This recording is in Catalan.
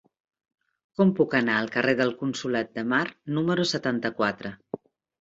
Com puc anar al carrer del Consolat de Mar número setanta-quatre?